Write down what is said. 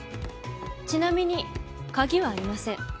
ちなみに鍵はありません。